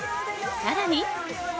更に。